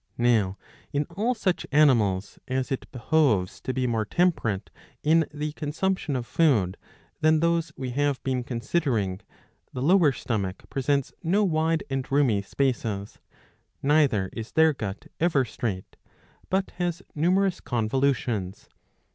^^ Now in all such animals as it behoves to be more temperate ^^ in the consumption of food than those we have been considering the lower stomach presents no wide and roomy spaces, neither is their gut ever straight, but hals numerous convolutions.